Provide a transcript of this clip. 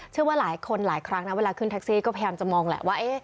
เชื่อว่าหลายคนหลายครั้งนะเวลาขึ้นแท็กซี่ก็พยายามจะมองแหละว่า